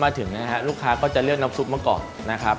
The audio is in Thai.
ถึงนะฮะลูกค้าก็จะเลือกน้ำซุปเมื่อก่อนนะครับ